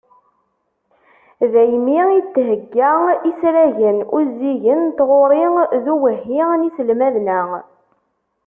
Daymi i d-thegga isragen uziggen n tɣuri d uwehhi n yiselmaden-a.